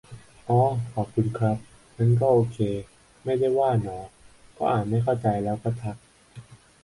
อ้อ ขอบคุณครับ งั้นก็โอเค ไม่ได้ว่าหนอ ก็อ่านไม่เข้าใจแล้วก็ทัก